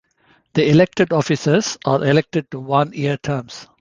The elected officers are elected to one year terms.